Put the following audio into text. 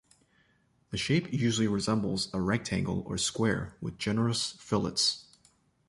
The shape usually resembles a rectangle or square with generous fillets.